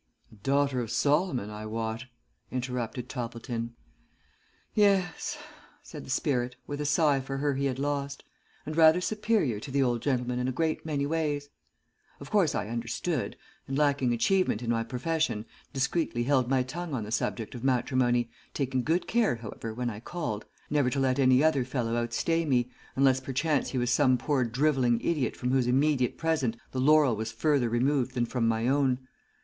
'" "A daughter of Solomon, I wot," interrupted Toppleton. "Yes," said the spirit, with a sigh for her he had lost, "and rather superior to the old gentleman in a great many ways. Of course I understood, and, lacking achievement in my profession, discreetly held my tongue on the subject of matrimony, taking good care, however, when I called never to let any other fellow outstay me, unless perchance he was some poor drivelling idiot from whose immediate present the laurel was further removed than from my own.